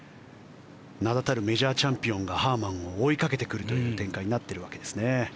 名だたるメジャーチャンピオンがハーマンを追いかけてくるという展開になっているわけですね。